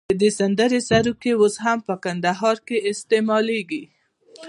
د دې سندرې سروکي اوس هم کندهار کې استعمالوي.